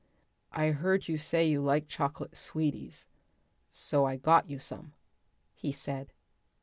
"I heard you say you liked chocolate sweeties, so I got you some," he said.